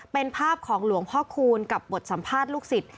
เป็นภาพของหลวงพ่อคูณกับบทสัมภาษณ์ลูกศิษย